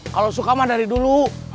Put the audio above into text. kalau suka mah dari dulu